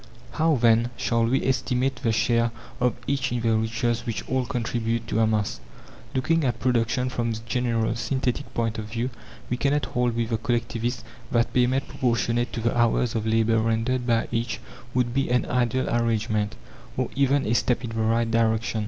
How then, shall we estimate the share of each in the riches which ALL contribute to amass? Looking at production from this general, synthetic point of view, we cannot hold with the Collectivists that payment proportionate to the hours of labour rendered by each would be an ideal arrangement, or even a step in the right direction.